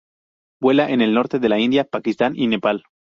Vuela en el norte de la India, Pakistán y Nepal.